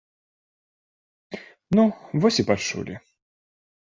Ну, вось і пачулі.